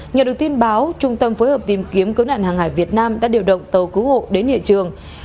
nhờ được tin báo trung tâm phối hợp tìm kiếm cứu nạn hàng hải việt nam đã điều động tàu cứu hộ đến hiện trường